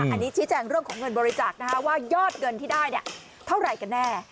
อันนี้ชี้แจงเรื่องของเงินบริจาคนะคะว่ายอดเงินที่ได้เท่าไหร่กันแน่